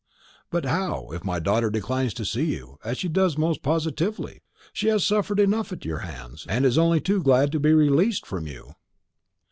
"But how, if my daughter declines to see you, as she does most positively? She has suffered enough at your hands, and is only too glad to be released from you."